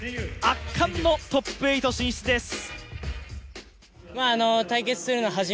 圧巻のトップ８進出です！